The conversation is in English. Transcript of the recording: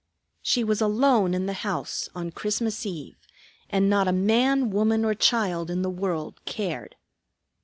She was alone in the house, on Christmas Eve, and not a man, woman, or child in the world cared.